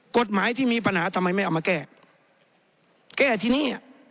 กฎหมายที่มีปัญหาทำไมไม่เอามาแก้แก้ที่นี่